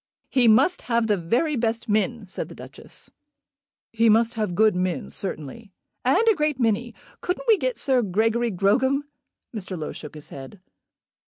"He must have the very best men," said the Duchess. "He must have good men, certainly." "And a great many. Couldn't we get Sir Gregory Grogram?" Mr. Low shook his head.